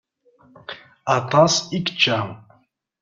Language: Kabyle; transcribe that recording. Aṭas i yečča.